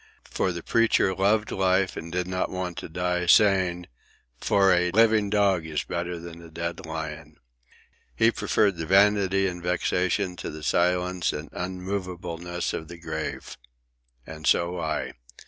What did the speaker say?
For the Preacher loved life, and did not want to die, saying, 'For a living dog is better than a dead lion.' He preferred the vanity and vexation to the silence and unmovableness of the grave. And so I.